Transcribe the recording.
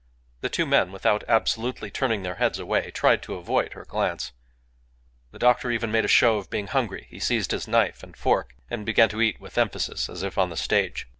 The two men, without absolutely turning their heads away, tried to avoid her glance. The doctor even made a show of being hungry; he seized his knife and fork, and began to eat with emphasis, as if on the stage.